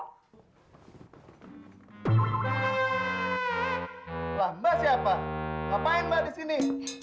lah mba siapa ngapain mba disini